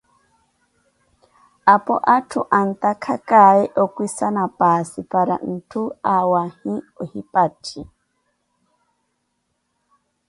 Apo atthu antakhakaye okwisana paasi para ntthu awaahi ohipathi.